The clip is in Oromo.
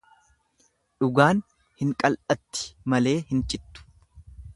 Dhugaan hin qal'atti malee hin cittu.